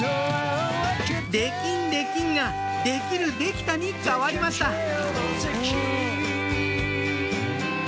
「できんできん」が「できるできた」に変わりましたえ